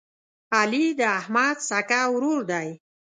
علي د احمد سکه ورور دی.